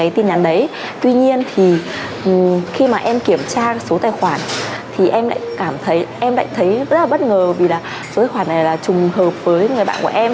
tuy nhiên thì khi mà em kiểm tra số tài khoản thì em lại cảm thấy em lại thấy rất là bất ngờ vì là số tài khoản này là trùng hợp với người bạn của em